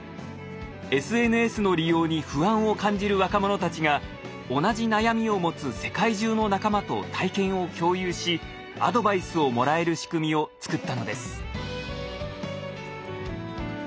ＳＮＳの利用に不安を感じる若者たちが同じ悩みを持つ世界中の仲間と体験を共有しアドバイスをもらえる仕組みを作ったのです。